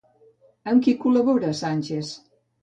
Amb qui col·labora Sànchez?